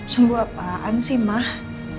sembuh apaan sih mah